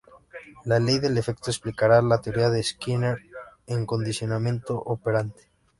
La ley del efecto explicará la teoría de Skinner del condicionamiento operante.